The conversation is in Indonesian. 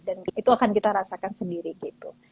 dan itu akan kita rasakan sendiri gitu